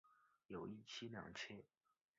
有一妻两妾。